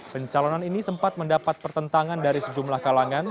pencalonan ini sempat mendapat pertentangan dari sejumlah kalangan